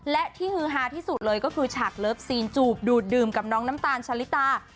และที่ฮือฮาที่สุดเลยก็คือฉากเลิฟซีนจูบดูดดื่มกับน้องน้ำตาลชะลิตา